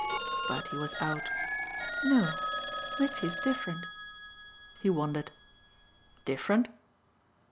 But he was out. "No. Mitchy's different." He wondered. "Different?"